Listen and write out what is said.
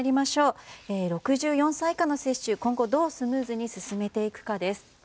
６４歳以下の接種今後どうスムーズに進めていくかです。